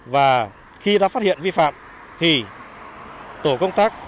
và khi đã phát hiện vi phạm thì tổ công tác